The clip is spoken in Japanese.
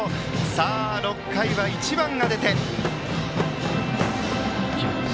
さあ、６回は１番が出ました。